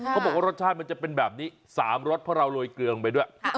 เขาบอกว่ารสชาติมันจะเป็นแบบนี้๓รสเพราะเราโรยเกลือลงไปด้วย